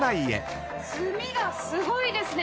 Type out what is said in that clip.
炭がすごいですね